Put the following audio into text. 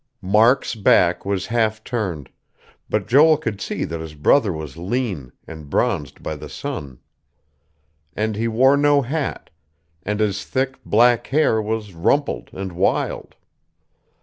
Mark's back was half turned; but Joel could see that his brother was lean, and bronzed by the sun. And he wore no hat, and his thick, black hair was rumpled and wild.